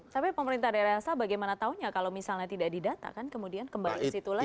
tapi pemerintah daerah asal bagaimana taunya kalau misalnya tidak didata kan kemudian kembali ke situ lagi